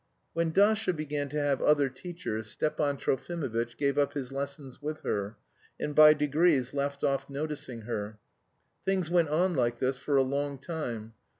When Dasha began to have other teachers, Stepan Trofimovitch gave up his lessons with her, and by degrees left off noticing her. Things went on like this for a long time.